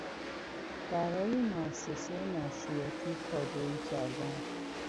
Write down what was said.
برای موسسهی نشریاتی پادویی کردن